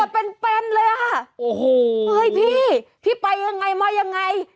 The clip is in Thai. ตรวจเป็นเลยอะโอ้โหพี่พี่ไปยังไงมายังไง